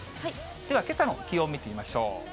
ではけさの気温、見てみましょう。